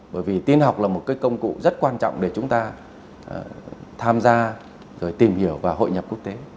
bởi vì tin học là một công cụ rất quan trọng để chúng ta tham gia rồi tìm hiểu và hội nhập quốc tế